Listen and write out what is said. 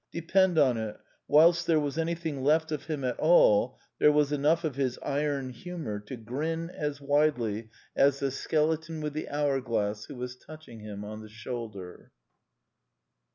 Depend on it, whilst there was anything left of him at all there was enough of his iron humor to grin as widely as 138 The Quintessence of Ibsenism the skeleton with the hour glass who was touching him on the shoulder.